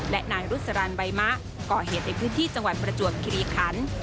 และนายรุษรันใบมะก่อเหตุในพื้นที่จังหวัดประจวบคิริขัน